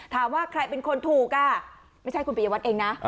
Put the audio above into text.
ถามว่าใครเป็นคนถูกไม่ใช่คุณปริยวัตรเองนะ